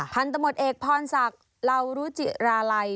พันธมตเอกพรศักดิ์ลาวรุจิราลัย